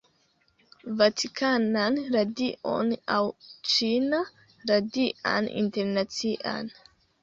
Vatikanan Radion aŭ Ĉina Radian Internacian